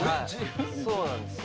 そうなんですよ